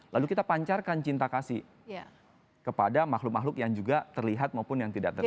lalu kita pancarkan cinta kasih kepada makhluk makhluk yang juga terlihat maupun yang tidak terlihat